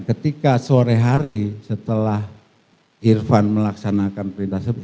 ketika sore hari setelah irfan melaksanakan perintah tersebut